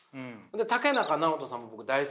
竹中直人さんも僕大好きでね